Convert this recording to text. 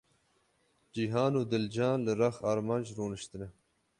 Cîhan û Dilcan li rex Armanc rûniştine.